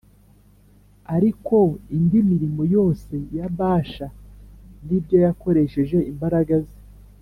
Ariko indi mirimo yose ya Bāsha n’ibyo yakoresheje imbaraga ze